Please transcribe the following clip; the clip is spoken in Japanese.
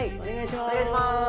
お願いしまーす！